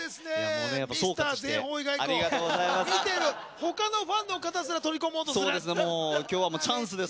見てる他のファンの方すら取り込もうとするね。